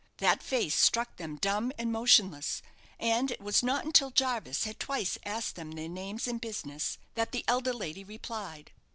That face struck them dumb and motionless, and it was not until Jarvis had twice asked them their names and business, that the elder lady replied.